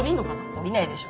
下りないでしょ。